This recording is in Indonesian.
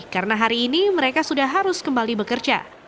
karena hari ini mereka sudah harus kembali bekerja